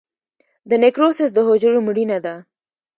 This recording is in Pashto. د نیکروسس د حجرو مړینه ده.